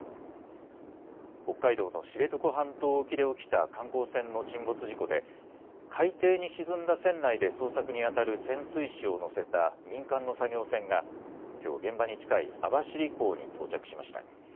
北海道の知床半島沖で起きた観光船の沈没事故で海底に沈んだ船内で捜索にあたる潜水士を乗せた民間の作業船がきょう現場に近い網走港に到着しました。